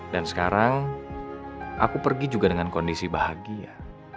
dan sekarang aku pergi juga dengan kondisi bahagia